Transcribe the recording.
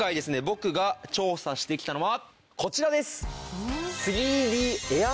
僕が調査してきたのはこちらです。